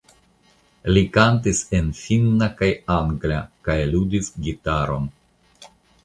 Li kantis en finna kaj angla kaj ludis gitaron.